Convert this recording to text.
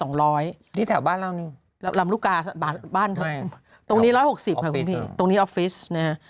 นี่แถวบ้านเราลำลูกกาบ้านตรงนี้๑๖๐ตรงนี้ออฟฟิศนะฮะ